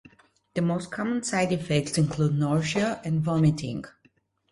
The most common side effects include nausea and vomiting.